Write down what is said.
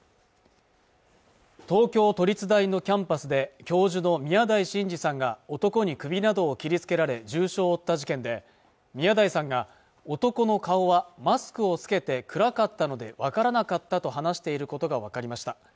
東京都立大のキャンパスで教授の宮台真司さんが男に首などを切りつけられ重傷を負った事件で宮台さんが男の顔はマスクをつけて暗かったのでわからなかったと話していることが分かりました